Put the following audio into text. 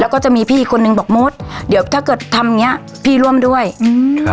แล้วก็จะมีพี่อีกคนนึงบอกมดเดี๋ยวถ้าเกิดทำอย่างเงี้ยพี่ร่วมด้วยอืมครับ